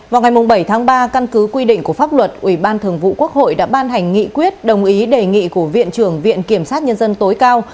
vào ngày bảy tháng ba căn cứ quy định của pháp luật ủy ban thường vụ quốc hội đã ban hành nghị quyết đồng ý đề nghị của viện trưởng viện kiểm sát nhân dân tối cao